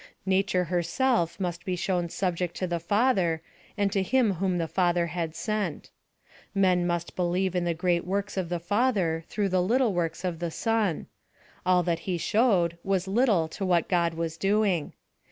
Nature herself must be shown subject to the Father and to him whom the Father had sent. Men must believe in the great works of the Father through the little works of the Son: all that he showed was little to what God was doing.